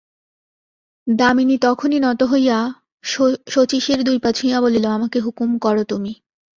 দামিনী তখনই নত হইয়া শচীশের দুই পা ছুঁইয়া বলিল, আমাকে হুকুম করো তুমি।